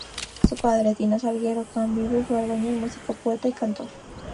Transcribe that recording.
Su padre, Tino Salguero, que aún vive, fue albañil, músico, poeta y cantor.